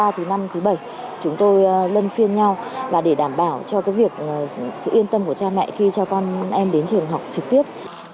thứ năm thứ bảy chúng tôi lân phiên nhau và để đảm bảo cho việc sự yên tâm của cha mẹ khi cho con em đến trường học trực tiếp